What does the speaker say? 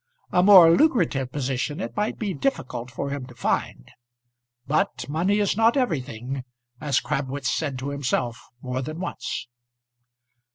A more lucrative position it might be difficult for him to find; but money is not everything, as Crabwitz said to himself more than once.